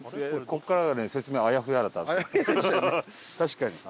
確かに。